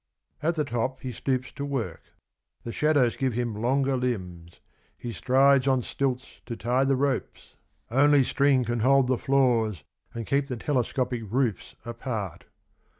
At the top he stoops to work : the shadows give him longer limbs, he strides on stilts to tie the ropes, only string can hold the floors 27 and keep the telescopic roofs apart.